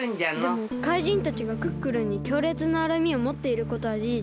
でも怪人たちがクックルンにきょうれつなうらみをもっていることはじじつ。